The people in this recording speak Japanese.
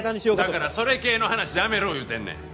だからそれ系の話やめろ言うてんねん。